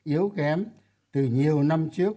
yếu kém từ nhiều năm trước